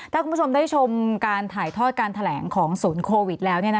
ถ้าคุณผู้ชมได้ชมการถ่ายทอดการแถลงของศูนย์โควิดแล้ว